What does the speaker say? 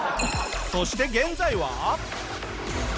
そして現在は。